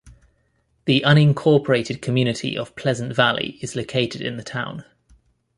The unincorporated community of Pleasant Valley is located in the town.